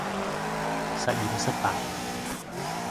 實驗失敗